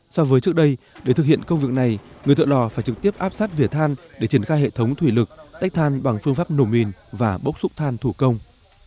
so với trước đây để thực hiện công việc này người thợ lò phải trực tiếp áp sát vỉa than để triển khai hệ thống thủy lực tách than bằng phương pháp nổ mìn và bốc xúc than thủ công